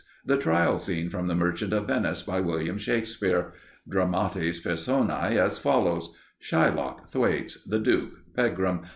The Trial Scene from "The Merchant of Venice," by William Shakespeare. Dramatis Personæ as follows: Shylock. Thwaites. The Duke. Pegram.